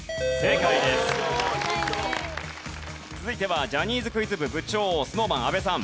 続いてはジャニーズクイズ部部長ＳｎｏｗＭａｎ阿部さん。